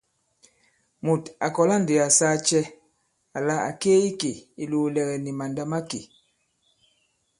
Mùt à kɔ̀la ndī à saa cɛ àla à ke i ikè ìlòòlɛ̀gɛ̀ nì màndà̂makè ?